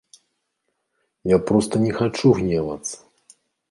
Я проста не хачу гневацца!